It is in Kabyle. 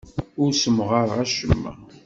Ur ssemɣareɣ acemma.